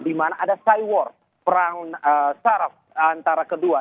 dimana ada cywar perang saraf antara kedua